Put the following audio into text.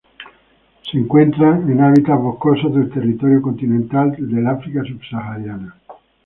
Se encuentran en hábitats boscosos del territorio continental del África subsahariana.